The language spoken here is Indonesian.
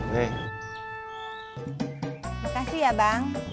makasih ya bang